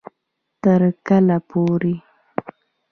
تر کله پورې